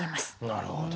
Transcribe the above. なるほど。